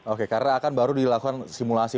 oke karena akan baru dilakukan simulasi